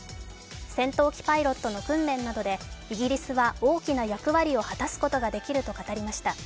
戦闘機パイロットの訓練などでイギリスは大きな役割を果たすことができると語りました。